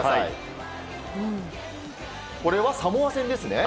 これはサモア戦ですね。